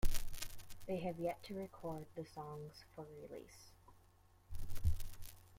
They have yet to record the songs for release.